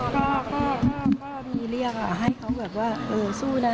ก็มีเรียกให้เขาแบบว่าเออสู้นะ